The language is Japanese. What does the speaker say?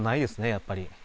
やっぱり。